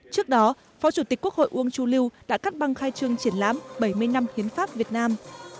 trước đó phó chủ tịch quốc hội uông chu lưu đã cắt băng khai trương triển lãm bảy mươi năm hiến pháp việt nam